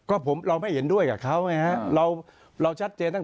ก็ผมเราไม่เห็นด้วยกับเขาแม่เราชัดเจนตั้งแต่ต้นอยู่แล้ว